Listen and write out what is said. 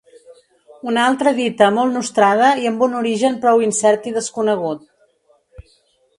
Una altra dita molt nostrada i amb un origen prou incert i desconegut.